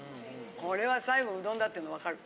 これは最後うどんだっていうのわかる。